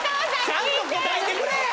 ちゃんと答えてくれや！